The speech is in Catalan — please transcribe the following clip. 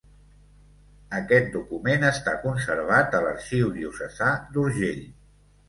Aquest document està conservat a l'Arxiu Diocesà d'Urgell.